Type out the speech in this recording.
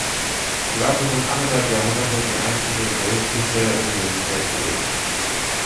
Sie war für rund anderthalb Jahrhunderte die einzige welfische Universität gewesen.